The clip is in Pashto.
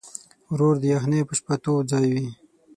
ورور د یخنۍ په شپه تود ځای وي.